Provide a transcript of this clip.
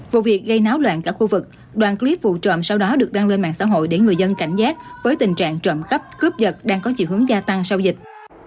vụ việc gây náo loạn cả khu vực đoạn clip vụ trộm sau đó được đăng lên mạng xã hội để người dân cảnh giác với tình trạng trộm cắp cướp giật đang có chiều hướng gia tăng sau dịch